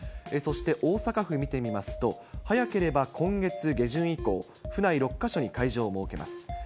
そして大阪府見てみますと、早ければ今月下旬以降、府内６か所に会場を設けます。